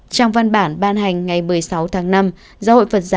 trong văn bản ban hành ngày một mươi sáu tháng năm